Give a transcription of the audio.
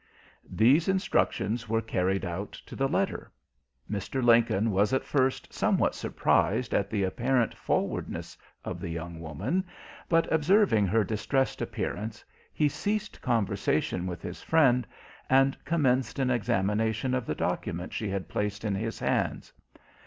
These instructions were carried out to the letter. Mr. Lincoln was at first somewhat surprised at the apparent forwardness of the young woman, but observing her distressed appearance, he ceased conversation with his friend, and commenced an examination of the document she had placed in his hands.